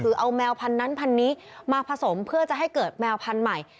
คือเอาแมวพันนั้นพันนี้มาผสมเพื่อจะให้เกิดแมวพันธุ์ใหม่